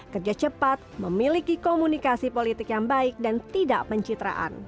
kerja cepat memiliki komunikasi politik yang baik dan tidak pencitraan